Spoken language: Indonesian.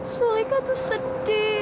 sulika itu sedih